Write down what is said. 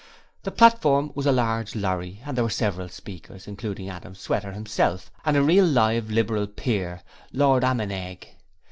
The platform was a large lorry, and there were several speakers, including Adam Sweater himself and a real live Liberal Peer Lord Ammenegg.